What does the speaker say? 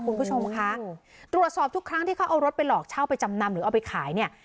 คุณผู้ชมคะตรวจสอบทุกครั้งที่เขาเอารถไปหลอกเช่าไปจำนำหรือเอาไปขายเนี่ย